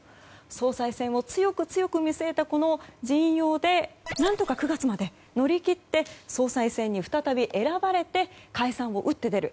総裁選を強く強く見据えた陣容で何とか９月まで乗り切って総裁選に再び選ばれて解散を打って出る。